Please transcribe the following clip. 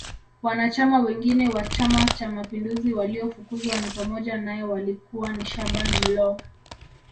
Wanachama wengine wa chama cha mapinduzi waliofukuzwa ni pamoja nae walikuwa ni Shaban Mloo